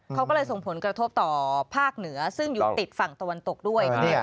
เขาก็เลยส่งผลกระทบต่อภาคเหนือซึ่งอยู่ติดฝั่งตะวันตกด้วยทีเดียว